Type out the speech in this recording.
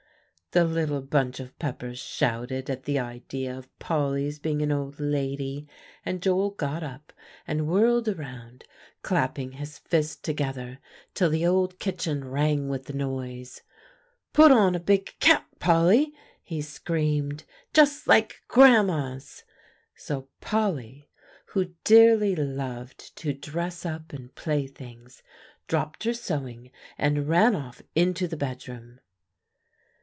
The little bunch of Peppers shouted at the idea of Polly's being an old lady; and Joel got up and whirled around, clapping his fists together till the old kitchen rang with the noise. "Put on a big cap, Polly," he screamed, "just like Grandma's!" So Polly, who dearly loved to dress up and play things, dropped her sewing, and ran off into the bedroom.